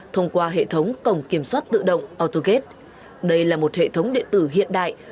thông qua hệ thống cổng kiểm soát tự động autogate đây là một hệ thống điện tử hiện đại